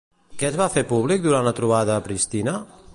Què es va fer públic durant la trobada a Pristina?